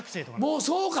もうそうか。